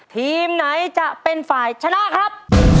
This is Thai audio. ทีมไหนจะเป็นฝ่ายชนะครับ